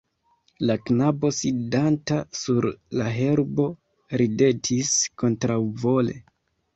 La knabo sidanta sur la herbo ridetis, kontraŭvole.